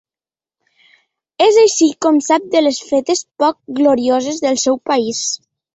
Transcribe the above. És així com sap de les fetes poc glorioses del seu país.